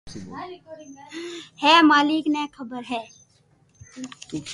ھي مالڪ ني خبر ھي